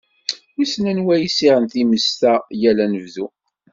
Wissen anwa yessiɣin times-a yal anebdu!